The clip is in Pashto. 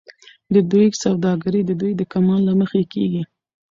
خو د دوى سوداګري د دوى د کمال له مخې کېږي